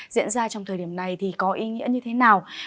diễn ra trong thời điểm này thì có ý nghĩa như thế nào